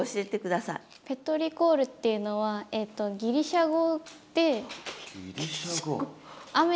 ペトリコールっていうのはギリシャ語。